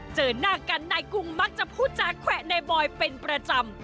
เจอหน้ากันนายกุงมักจะพูดจาแขวะนายบอยเป็นประจำ